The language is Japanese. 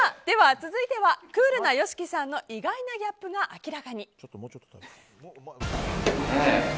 では続いてはクールなＹＯＳＨＩＫＩさんの意外なギャップが明らかに。